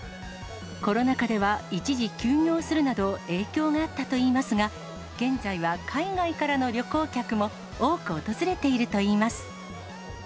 コロナ禍では一時休業するなど、影響があったといいますが、現在は海外からの旅行客も多く訪れているといいます。